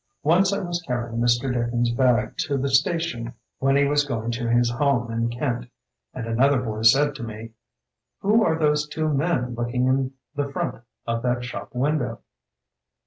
Once I was carrying Mr. Dickens's bag to the station when he was going to his home in Kent, and another boy said to me, 'Who are those two men looking in the front of that shop window?